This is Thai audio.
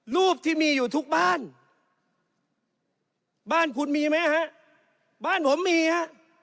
รูปที่มีอยู่ทุกบ้านบ้านคุณมีไหมฮะบ้านผมมีฮะ